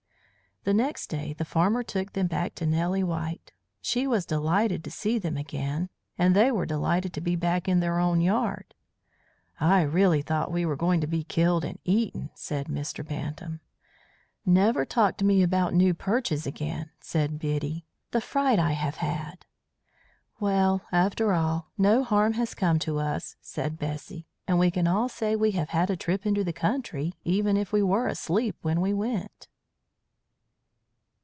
The next day the farmer took them back to Nellie White. She was delighted to see them again, and they were delighted to be back in their own yard. "I really thought we were going to be killed and eaten," said Mr. Bantam. "Never talk to me about new perches again," said Biddy. "The fright I have had!" "Well, after all, no harm has come to us," said Bessy, "and we can all say we have had a trip into the country, even if we were asleep when we went."